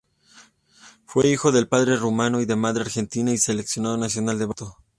Fue hijo de padre rumano y de madre argentina y seleccionado nacional de baloncesto.